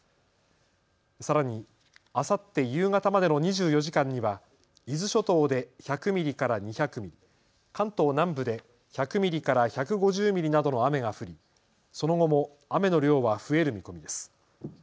さらにあさって夕方までの２４時間には伊豆諸島で１００ミリから２００ミリ、関東南部で１００ミリから１５０ミリなどの雨が降りその後も雨の量は増える見込みです。